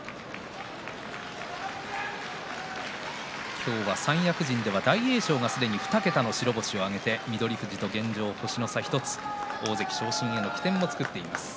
今日は三役陣では大栄翔がすでに２桁の白星を挙げて翠富士と現状星の差１つ大関昇進への起点を作っています。